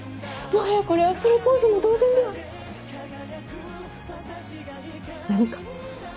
もはやこれはプロポーズも同然では⁉何か？